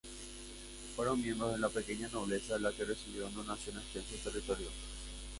Fueron miembros de la pequeña nobleza la que recibió en donación extensos territorio.